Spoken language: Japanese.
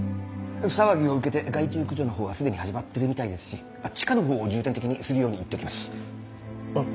騒ぎを受けて害虫駆除の方は既に始まってるみたいですし地下の方を重点的にするように言っときます。